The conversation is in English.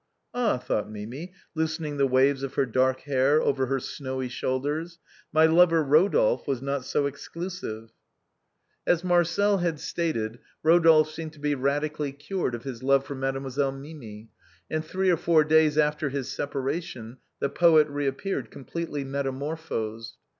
" Ah," thought Mimi, loosening the waves of her dark hair over her snowy shoulders, " my lover, Eodolphe, was not so exclusive." 284 THE BOHEMIANS OF THE LATIN" QUARTER. As Marcel had stated, Kodolphe seemed to be radically cured of his love for Mademoiselle Mimi, and three or four days after his separation, the poet re appeared completely metamorphosed.